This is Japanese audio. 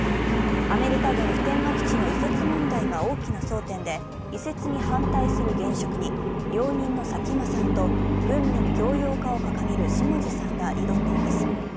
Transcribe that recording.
アメリカ軍普天間基地の移設問題が大きな争点で、移設に反対する現職に、容認の佐喜眞さんと軍民共用化を掲げる下地さんが挑んでいます。